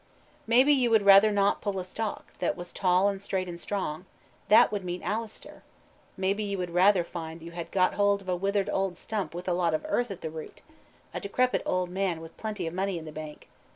"Maybe you would rather not pull a stalk that was tall and straight and strong that would mean Alastair? Maybe you would rather find you had got hold of a withered old stump with a lot of earth at the root a decrepit old man with plenty of money in the bank?